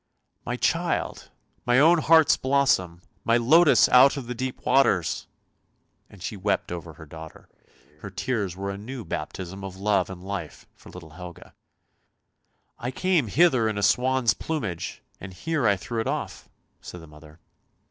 " My child! my own heart's blossom! my lotus out of the deep waters! " and she wept over her daughter; her tears were a new baptism of love and life for little Helga. " I came hither in a swan's plumage, and here I threw it off," said the mother.